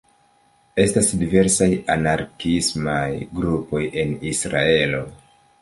Estas diversaj anarkiismaj grupoj en Israelo.